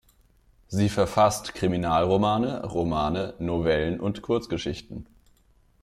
Sie verfasst Kriminalromane, Romane, Novellen und Kurzgeschichten.